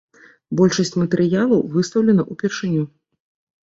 Большасць матэрыялаў выстаўлена ўпершыню.